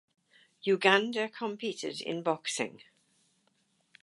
Uganda competed in boxing.